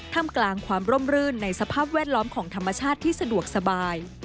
ทำกลางความร่มรื่นในสภาพแวดล้อมของธรรมชาติที่สะดวกสบาย